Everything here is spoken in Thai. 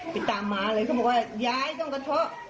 ไปตามมาเลยเขาบอกว่ายายต้องกระเทาะ